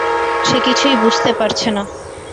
সে কিছুই বুঝতে পারছে না।